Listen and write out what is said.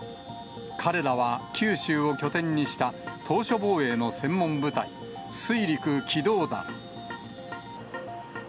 彼らは九州を拠点にした島しょ防衛の専門部隊、水陸機動団。